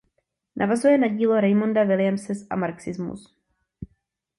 Navazuje na dílo Raymonda Williamse a marxismus.